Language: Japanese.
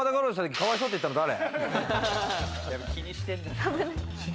今かわいそうって言ったの誰？